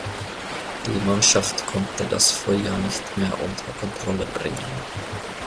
Die Mannschaft konnte das Feuer nicht mehr unter Kontrolle bringen.